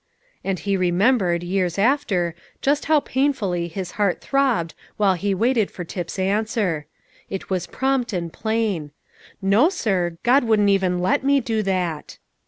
And he remembered, years after, just how painfully his heart throbbed while he waited for Tip's answer; it was prompt and plain: "No, sir; God wouldn't even let me do that."